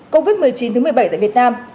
covid một mươi chín thứ một mươi bảy tại việt nam